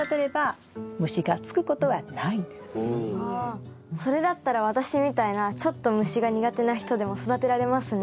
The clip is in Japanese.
ああそれだったら私みたいなちょっと虫が苦手な人でも育てられますね。